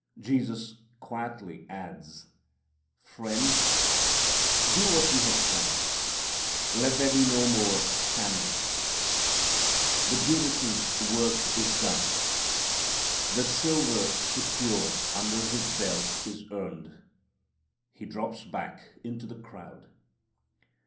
Jesus quietly adds, "Friend, do what you have planned. Let there be no more shamming." But Judas' work is done. The silver secured under his belt is earned. He drops back into the crowd.